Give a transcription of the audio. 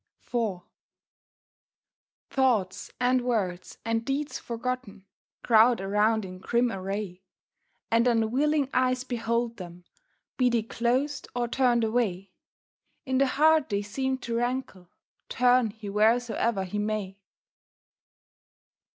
IV Thoughts, and words, and deeds forgotten, Crowd around in grim array; And unwilling eyes behold them, Be they closed or turned away; In the heart they seem to rankle, Turn he wheresoe'er he may.